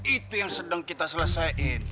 itu yang sedang kita selesaikan